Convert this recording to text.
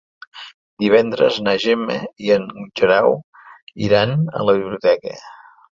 Divendres na Gemma i en Guerau iran a la biblioteca.